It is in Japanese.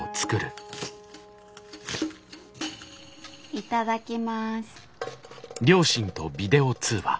いただきます。